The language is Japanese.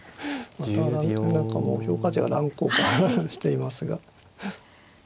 また何かもう評価値が乱降下していますが。